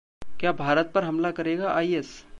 क्या भारत पर हमला करेगा आइएस